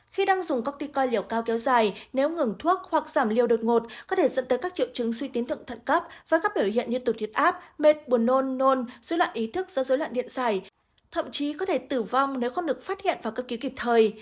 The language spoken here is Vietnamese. khi đang dùng cortico liều cao kéo dài nếu ngừng thuốc hoặc giảm liều đột ngột có thể dẫn tới các triệu chứng suy tiến thượng thận cấp và các biểu hiện như tụt áp mệt buồn nôn nôn dối loạn ý thức do dối loạn điện xảy thậm chí có thể tử vong nếu không được phát hiện và cấp cứu kịp thời